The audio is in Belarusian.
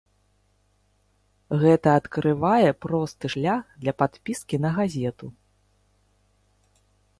Гэта адкрывае просты шлях для падпіскі на газету.